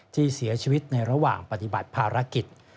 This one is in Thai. ที่เสียชีวิตในระหว่างปฏิบัติภารกิจ